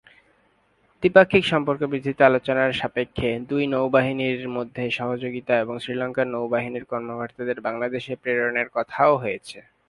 দ্বিপাক্ষিক সম্পর্ক বৃদ্ধিতে আলোচনার সাপেক্ষে, দুই নৌবাহিনীর মধ্যে সহযোগিতা এবং শ্রীলঙ্কার নৌবাহিনীর কর্মকর্তাদের বাংলাদেশে প্রেরণের কথাও হয়েছে।